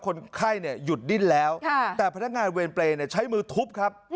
คนไข้เนี่ยหยุดดิ้นแล้วแต่พนักงานเวรเปรย์ใช้มือทุบครับ